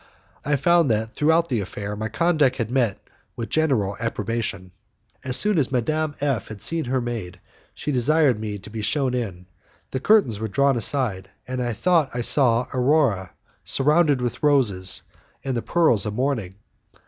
I found that throughout the affair my conduct had met with general approbation. As soon as Madame F had seen her maid, she desired me to be shewn in. The curtains were drawn aside, and I thought I saw Aurora surrounded with the roses and the pearls of morning.